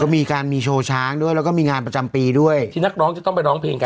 มีการมีโชว์ช้างด้วยแล้วก็มีงานประจำปีด้วยที่นักร้องจะต้องไปร้องเพลงกัน